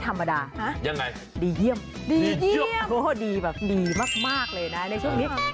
เรียกได้ว่าดีไม่ธรรมดา